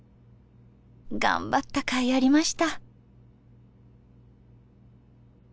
頑張ったかいありました。